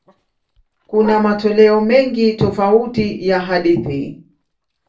Kuna matoleo mengi tofauti ya hadithi.